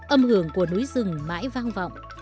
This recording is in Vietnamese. âm hưởng của núi rừng mãi vang vọng